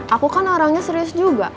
aku kan orangnya serius juga